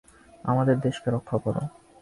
আমাদের দেশকে রক্ষা করো!